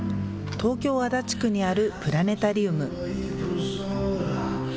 東京足立区にあるプラネタリウム。